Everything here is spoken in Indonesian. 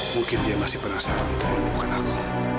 mungkin dia masih penasaran untuk menemukan aku